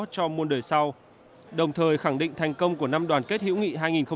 cho muôn đời sau đồng thời khẳng định thành công của năm đoàn kết hữu nghị hai nghìn một mươi chín